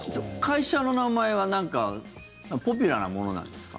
会社の名前はポピュラーなものなんですか？